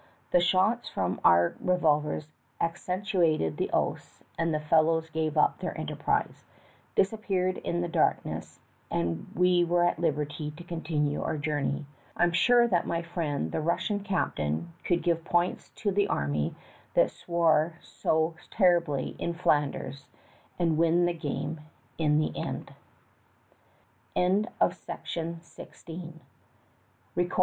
The shots from our revolvers accentuated the oaths and the fellows gave up their enterprise, disappeared in the dark ness, and we were at liberty to continue our journey. I'm sure that my friend the Russian cap tain could give points to the army that swore so terribly in Flanders, and win the game in the end. i.' ' T idk •mr #' v. ^' w i; TtC. . f